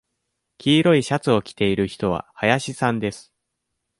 黄色いシャツを着ている人は林さんです。